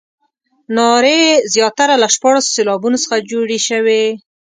نارې زیاتره له شپاړسو سېلابونو څخه جوړې شوې.